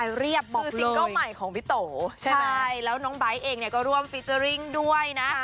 เนี่ยน้องไบท์เองก็ร่วมฟีเจอริงด้วยนะ